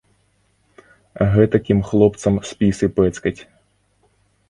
Гэтакім хлопцам спісы пэцкаць.